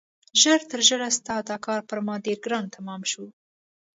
ژر تر ژره ستا دا کار پر ما ډېر ګران تمام شو.